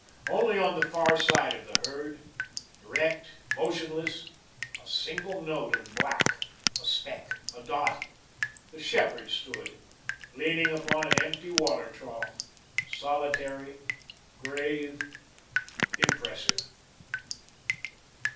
Only on the far side of the herd, erect, motionless a single note of black, a speck, a dot the shepherd stood, leaning upon an empty water trough, solitary, grave, impressive.